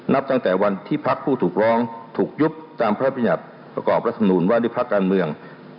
นับตั้งแต่วันที่พักผู้ถูกร้องถูกยุบตามพระประหยัดประกอบรัฐมนุนว่าด้วยพักการเมือง